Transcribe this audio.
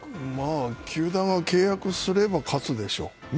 球団は契約すれば勝つでしょう。